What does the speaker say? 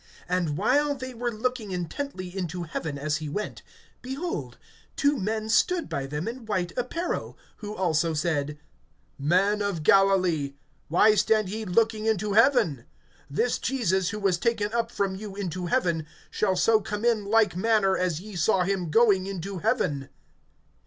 (10)And while they were looking intently into heaven as he went, behold, two men stood by them in white apparel; (11)who also said: Men of Galilee, why stand ye looking into heaven? This Jesus, who was taken up from you into heaven, shall so come in like manner as ye saw him going into heaven.